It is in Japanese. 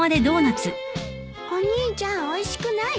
お兄ちゃんおいしくない？